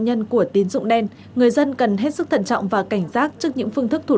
nhân của tín dụng đen người dân cần hết sức thận trọng và cảnh giác trước những phương thức thủ